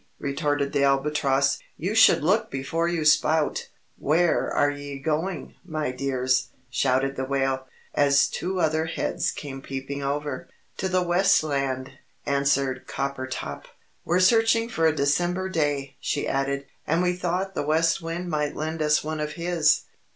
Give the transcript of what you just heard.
retorted the Albatross, "you should look before you spout!" "Where are e' going, my dears?" shouted the Whale, as two other heads came peeping over. "To the West Land," answered Coppertop. "We're searching for a December day," she added, "and we thought the West Wind might lend us one of his."